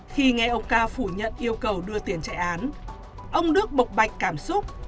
khi nghe ông ca phủ nhận yêu cầu đưa tiền trại án ông đước bộc bạch cảm xúc